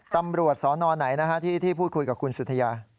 ตำรวจสนไหนที่พูดคุยกับคุณสุธยา